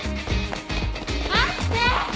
待って！